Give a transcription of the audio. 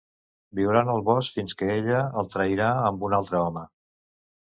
Viuran al bosc fins que ella el trairà amb un altre home.